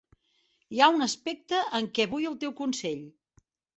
Hi ha un aspecte en què vull el teu consell.